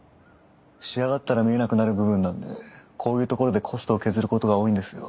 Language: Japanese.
仕上がったら見えなくなる部分なんでこういうところでコストを削ることが多いんですよ。